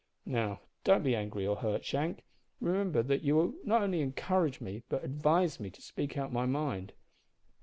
Now don't be angry or hurt, Shank. Remember that you not only encouraged me, but advised me to speak out my mind."